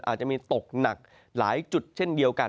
อาจจะมีตกหนักหลายจุดเช่นเดียวกัน